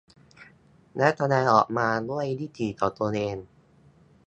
และแสดงออกมาด้วยวิถีของตัวเอง